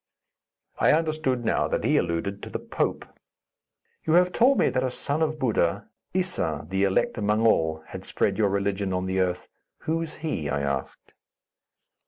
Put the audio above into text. I understood now that he alluded to the Pope. "You have told me that a son of Buddha, Issa, the elect among all, had spread your religion on the Earth. Who is he?" I asked.